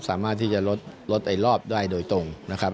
สามารถที่จะลดไอ้รอบได้โดยตรงนะครับ